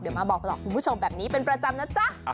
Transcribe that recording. เดี๋ยวมาบอกต่อคุณผู้ชมแบบนี้เป็นประจำนะจ๊ะ